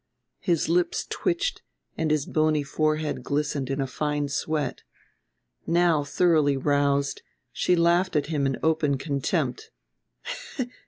His lips twitched and his bony forehead glistened in a fine sweat. Now, thoroughly roused, she laughed at him in open contempt.